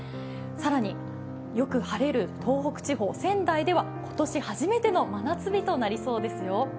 更によく晴れる東北地方仙台では今年初めての真夏日となりそうですよ。